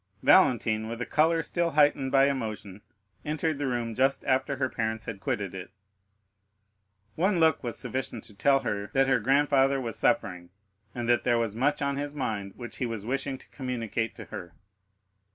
Valentine, with a color still heightened by emotion, entered the room just after her parents had quitted it. One look was sufficient to tell her that her grandfather was suffering, and that there was much on his mind which he was wishing to communicate to her.